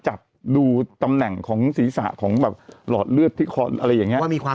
อะไรอย่างนี้เหมือนกัน